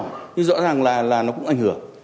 nhưng rõ ràng là nó cũng ảnh hưởng